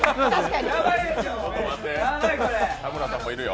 田村さんもいるよ。